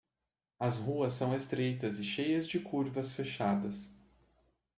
As ruas são estreitas e cheias de curvas fechadas.